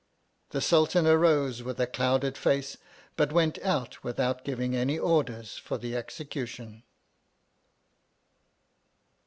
The Sultan arose with a clouded face, but went out without giving any orders for the execution.